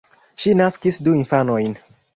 Ŝi naskis du infanojn.